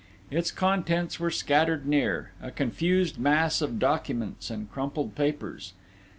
Its contents were scattered near a confused mass of documents and crumpled papers.